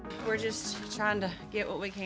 ini agak mengecewakan